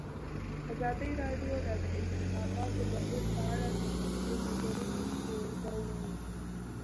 ازادي راډیو د د انتخاباتو بهیر په اړه د نقدي نظرونو کوربه وه.